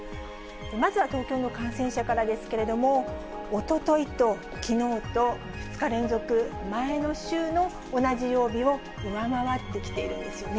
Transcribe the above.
まずは東京の感染者からですけれども、おとといときのうと２日連続、前の週の同じ曜日を上回ってきているんですよね。